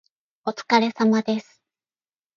お疲れ様です